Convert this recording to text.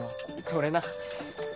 それな。